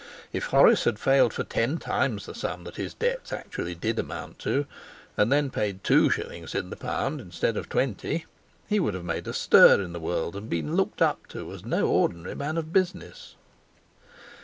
If Horace had failed for ten times the sum that his debts actually did amount to, and then paid two shillings in the pound instead of twenty, he would have made a stir in the world and been looked up to as no ordinary man of business.